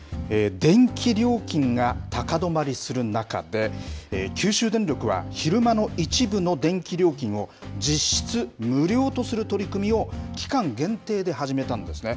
電気料金が高止まりする中で、九州電力は昼間の一部の電気料金を、実質無料とする取り組みを期間限定で始めたんですね。